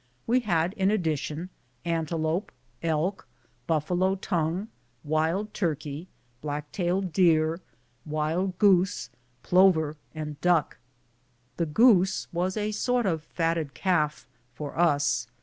We had, in addition, antelope, elk, buffalo tongue, wild turkey, black tailed deer, wild goose, plover, and duck. The goose was a sort of "fatted calf" for us.